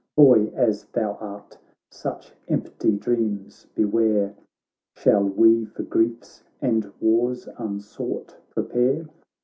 Boy as thou art, such empty dreams be ware I Shall we for griefs and wars unsought prepare